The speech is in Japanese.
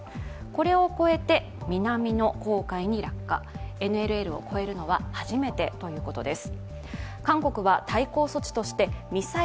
これを越えて南の公海に落下、ＮＬＬを越えるのは初めてということです。